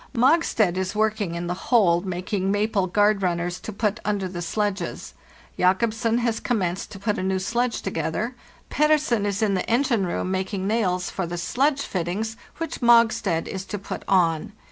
Mogstad is working in the hold making maple guard runners to put under the sledges. Jacobsen has commenced to put a new sledge together. Pettersen is in the engine room, making nails for the sledge fittings, which Mogstad is to put on.